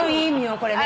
これね。